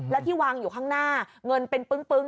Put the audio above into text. แล้วที่วางอยู่ข้างหน้าเงินเป็นปึ้ง